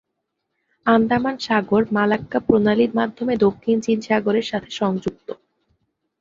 আন্দামান সাগর মালাক্কা প্রণালীর মাধ্যমে দক্ষিণ চীন সাগরের সাথে সংযুক্ত।